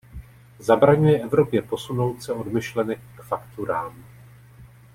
Zabraňuje Evropě posunout se od myšlenek k fakturám.